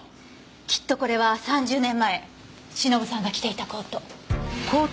きっとこれは３０年前忍さんが着ていたコート。